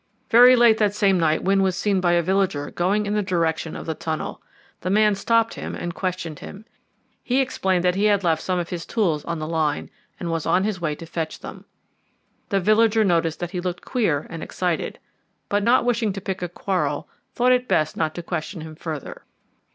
"Very late that same night Wynne was seen by a villager going in the direction of the tunnel. The man stopped him and questioned him. He explained that he had left some of his tools on the line, and was on his way to fetch them. The villager noticed that he looked queer and excited, but not wishing to pick a quarrel thought it best not to question him further.